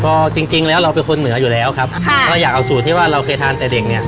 ก็จริงจริงแล้วเราเป็นคนเหนืออยู่แล้วครับค่ะเพราะเราอยากเอาสูตรที่ว่าเราเคยทานแต่เด็กเนี่ย